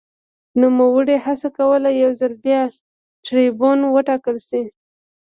نوموړي هڅه کوله یو ځل بیا ټربیون وټاکل شي